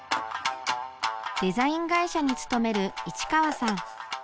デザイン会社に勤める市川さん。